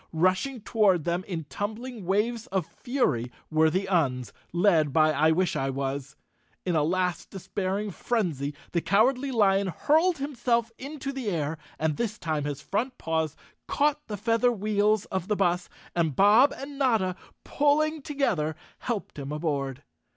Rushing toward them in tumbling waves of fury were the Uns, led by I wish I was. In a last despair¬ ing frenzy, the Cowardly Lion hurled himself into the air, and this time his front paws caught the feather wheels of the bus, and Bob and Notta, pulling together, helped him aboard.